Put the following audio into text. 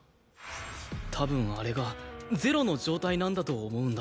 多分あれが０の状態なんだと思うんだ。